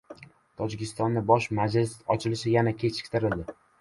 Tojikistonda bosh masjidning ochilishi yana kechiktirildi